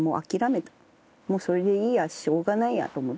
もうそれでいいやしょうがないやと思ってる。